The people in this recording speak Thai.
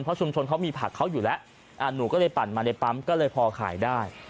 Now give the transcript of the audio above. เพราะชุมชนเขามีผักเขาอยู่แล้วหนูก็เลยปั่นมาในปั๊มก็เลยพอขายได้